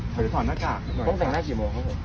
ถือถอดหน้ากากต้องแต่งหน้ากี่โมงครับผม